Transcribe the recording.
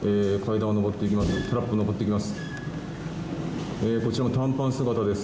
タラップを上っていきます。